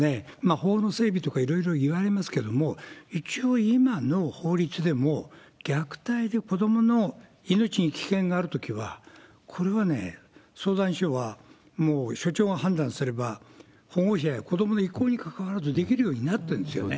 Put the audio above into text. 法の整備とかいろいろいわれますけれども、一応今の法律でも、虐待で子どもの命に危険があるときは、これはね、相談所はもう所長が判断すれば、保護者や子どもの意向にかかわらずできるようになってるんですよね。